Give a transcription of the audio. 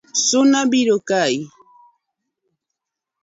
Suna biro kayi